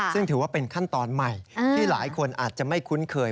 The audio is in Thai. ซึ่งถือว่าเป็นขั้นตอนใหม่ที่หลายคนอาจจะไม่คุ้นเคย